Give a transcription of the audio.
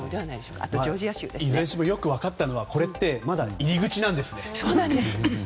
いずれにしろよく分かったのはまだ入り口なんですね。